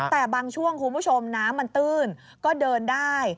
แต่บางช่วงคุณผู้ชมน้ำมันตื้นก็เดินได้